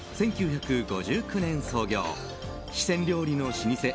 １９５９年創業四川料理の老舗